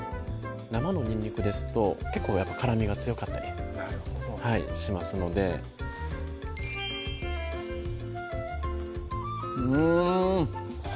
生のにんにくですと結構辛みが強かったりしますのでうん！